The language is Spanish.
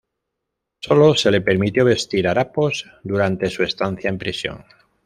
Sólo se le permitió vestir harapos durante su estancia en prisión.